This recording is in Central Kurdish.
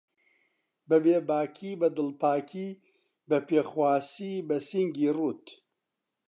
بەبێ باکی، بەدڵپاکی، بەپێخواسی بەسینگی ڕووت